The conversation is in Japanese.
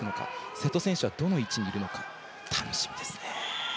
瀬戸選手はどの位置にいるのか楽しみですね。